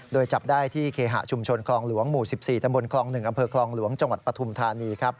โดยจับได้ที่เคหะชุมชนคลหลวงหมู่๑๔ถคลหนึ่งอคลหลวงจังหวัดปฐุมธานี